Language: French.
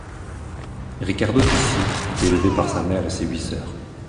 Riccardo Tisci est élevé par sa mère et ses huit sœurs.